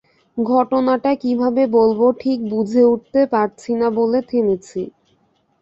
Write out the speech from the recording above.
ঘটনাটা কীভাবে বলব ঠিক বুঝে উঠতে পারছি না বলে থেমেছি।